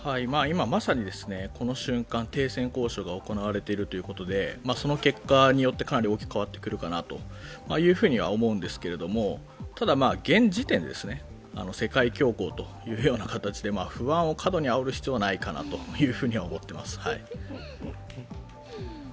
今、まさにこの瞬間、停戦交渉が行われているということでその結果によってかなり大きく変わってくるかなというふうには思うんですが、ただ、現時点で世界恐慌というような形で不安を過度にあおる必要はないかなと思っています。